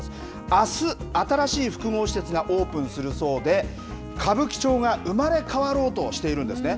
あす、新しい複合施設がオープンするそうで歌舞伎町が生まれ変わろうとしているんですね。